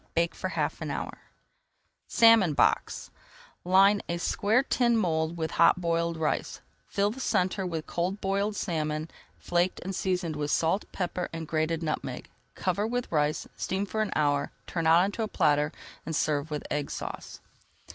Bake for half an hour. [Page 293] SALMON BOX Line a square tin mould with hot boiled rice, fill the centre with cold boiled salmon flaked and seasoned with salt, pepper, and grated nutmeg. Cover with rice, steam for an hour, turn out on a platter, and serve with Egg Sauce.